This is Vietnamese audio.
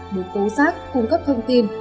để cố xác cung cấp thông tin